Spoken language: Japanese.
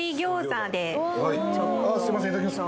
ああすいませんいただきます